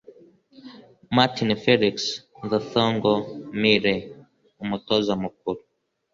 Martin Felix Ndtoungou Mpile (Umutoza mukuru)